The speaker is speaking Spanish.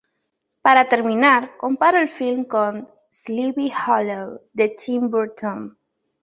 Para terminar comparó el film con "Sleepy Hollow" de Tim Burton.